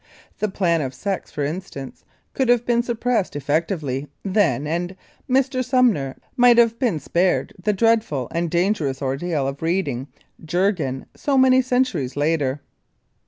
The plan of sex, for instance, could have been suppressed effectively then and Mr. Sumner might have been spared the dreadful and dangerous ordeal of reading "Jurgen" so many centuries later.